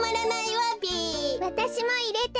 わたしもいれて。